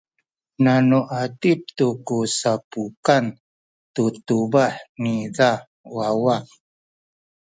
na u atip tu ku sapukan tu tubah nina wawa.